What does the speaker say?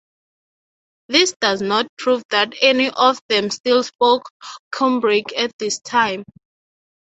This does not prove that any of them still spoke Cumbric at this time.